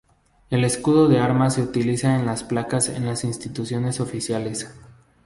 El escudo de armas se utiliza en las placas en la Instituciones oficiales.